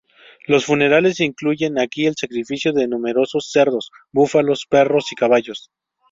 Los funerales incluyen aquí el sacrificio de numerosos cerdos, búfalos, perros y caballos.